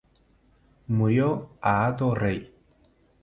Murió a Hato Rey.